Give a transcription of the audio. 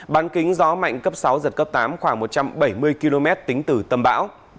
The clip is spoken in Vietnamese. bán kính gió mạnh cấp sáu giật cấp tám khoảng một trăm bảy mươi km tính từ tâm bão